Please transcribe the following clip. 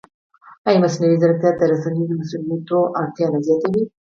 ایا مصنوعي ځیرکتیا د رسنیز مسوولیت اړتیا نه زیاتوي؟